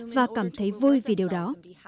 và cảm thấy vui vì điều đó